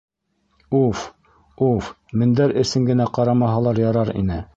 Уф, уф, мендәр эсен генә ҡарамаһалар ярар ине.